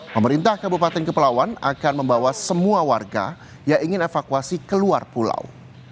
pemerintah kabupaten kepulauan akan membawa semua warga yang ingin evakuasi ke luar pulau